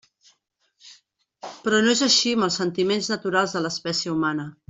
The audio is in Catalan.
Però no és així amb els sentiments naturals de l'espècie humana.